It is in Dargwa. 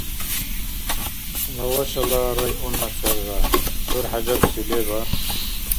Лавашала районна сарра, гӀур хӀяжатси леба?